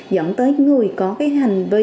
dẫn tới người có cái hành vi